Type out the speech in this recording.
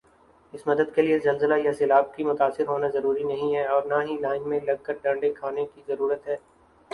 اس مدد کیلئے زلزلہ یا سیلاب کا متاثر ہونا ضروری نہیں ھے اور نہ ہی لائن میں لگ کر ڈانڈے کھانے کی ضرورت ھے